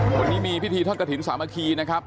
วันนี้มีพิธีทอดกระถิ่นสามัคคีนะครับ